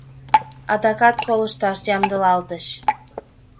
Адакат колышташ ямдылалтыч.